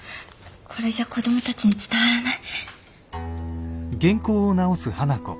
これじゃ子どもたちに伝わらない。